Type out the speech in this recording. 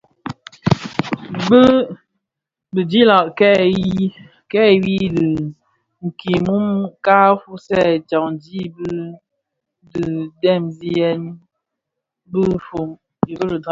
Di bidilag kè yui di kimü ka fuwèsi dyaňdi i ndegsiyèn bi bug.